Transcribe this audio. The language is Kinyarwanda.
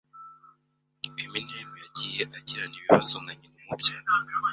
Eminem yagiye agirana ibibazo na nyina umubyara